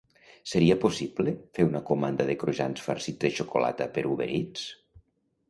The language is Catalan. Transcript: Seria possible fer una comanda de croissants farcits de xocolata per Uber Eats?